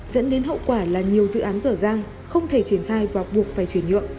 dẫn đến hậu quả là nhiều dự án rở ràng không thể triển khai và buộc phải chuyển nhượng